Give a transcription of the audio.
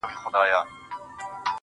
قاضي صاحبه ملامت نه یم، بچي وږي وه.